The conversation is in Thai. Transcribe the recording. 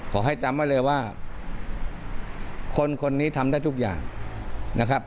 ขอให้จำไว้เลยว่าคนคนนี้ทำได้ทุกอย่างนะครับ